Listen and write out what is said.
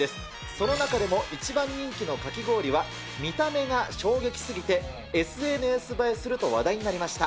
その中でも１番人気のかき氷は、見た目が衝撃すぎて、ＳＮＳ映えすると話題になりました。